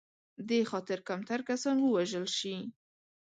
دې خاطر کمتر کسان ووژل شي.